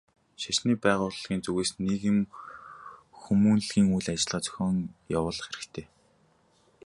Шашны байгууллагын зүгээс нийгэм хүмүүнлэгийн үйл ажиллагаа зохион явуулах хэрэгтэй.